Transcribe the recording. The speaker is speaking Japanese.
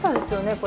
これ。